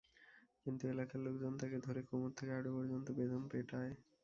কিন্তু এলাকার লোকজন তাকে ধরে কোমর থেকে হাঁটু পর্যন্ত বেদম পেটায়।